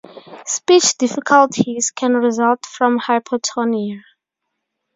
Speech difficulties can result from hypotonia.